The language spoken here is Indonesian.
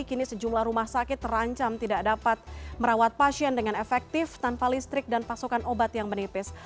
kini sejumlah rumah sakit terancam tidak dapat merawat pasien dengan efektif tanpa listrik dan pasokan obat yang menipis